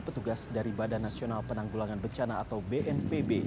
petugas dari badan nasional penanggulangan bencana atau bnpb